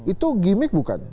itu gimik bukan